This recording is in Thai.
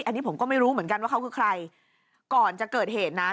อันนี้ผมก็ไม่รู้เหมือนกันว่าเขาคือใครก่อนจะเกิดเหตุนะ